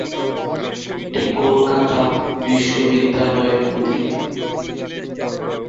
এটি কলকাতা বিশ্ববিদ্যালয়ের অধীনে।